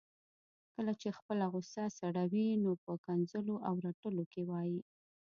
کله چي خپله غصه سړوي نو په ښکنځلو او رټلو کي وايي